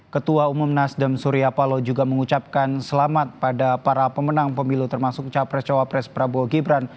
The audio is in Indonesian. ketua umum nasdem surya paloh juga mengucapkan selamat pada para pemenang pemilu termasuk capres cawapres prabowo gibran